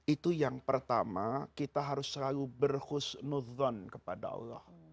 itu yang pertama kita harus selalu berhusnudhon kepada allah